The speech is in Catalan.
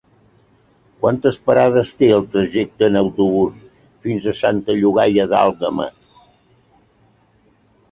Quantes parades té el trajecte en autobús fins a Santa Llogaia d'Àlguema?